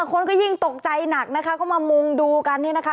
คนก็ยิ่งตกใจหนักนะคะเข้ามามุงดูกันเนี่ยนะคะ